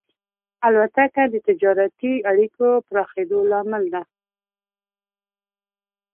الوتکه د تجارتي اړیکو پراخېدلو لامل ده.